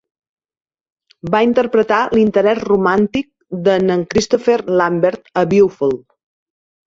Va interpretar l"interès romàntic de"n Christopher Lambert a "Beowulf".